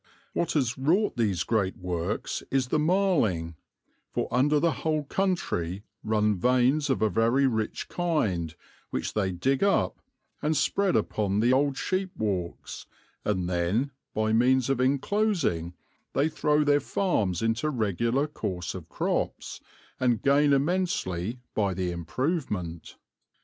What has wrought these great works is the marling; for under the whole country run veins of a very rich kind, which they dig up, and spread upon the old sheep walks, and then by means of inclosing they throw their farms into a regular course of crops, and gain immensely by the improvement."